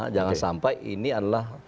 jangan sampai ini adalah